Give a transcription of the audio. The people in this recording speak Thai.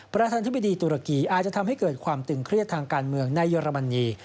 ประธานธิบดีตุรกีอาจจะทำให้เกิดความตึงเครียดทางการเมืองในเยอรมนี